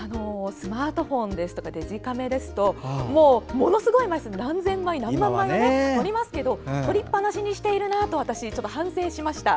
スマートフォンですとかデジカメですとものすごい枚数を撮りますけども撮りっぱなしにしているなと私、反省しました。